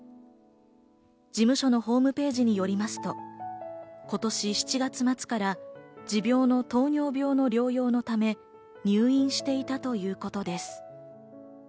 事務所のホームページによりますと今年７月末から持病の糖尿病の療養のため、入院していたということです。